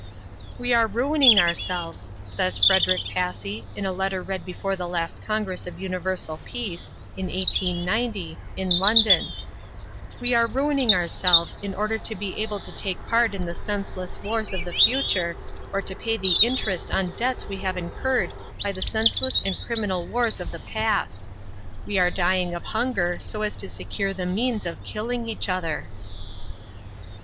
"We are ruining ourselves," says Frederick Passy in a letter read before the last Congress of Universal Peace (in 1890) in London, "we are ruining ourselves in order to be able to take part in the senseless wars of the future or to pay the interest on debts we have incurred by the senseless and criminal wars of the past. We are dying of hunger so as to secure the means of killing each other."